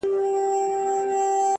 اې ه څنګه دي کتاب له مخه ليري کړم،